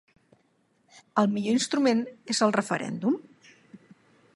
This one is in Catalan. El millor instrument és el referèndum?